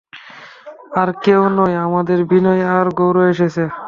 আর কেউ নয়, আমাদের বিনয় আর গৌর এসেছে।